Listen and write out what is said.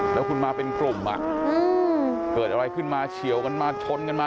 แล้วคุณมาเป็นกลุ่มเกิดอะไรขึ้นมาเฉียวกันมาชนกันมา